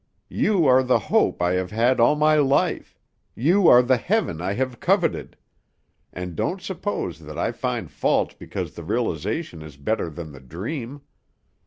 You are the hope I have had all my life; you are the heaven I have coveted; and don't suppose that I find fault because the realization is better than the dream.